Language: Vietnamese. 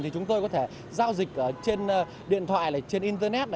thì chúng tôi có thể giao dịch trên điện thoại trên internet